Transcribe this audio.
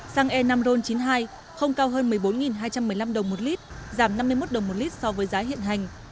xăng e năm ron chín mươi hai không cao hơn một mươi bốn hai trăm một mươi năm đồng một lít giảm năm mươi một đồng một lít so với giá hiện hành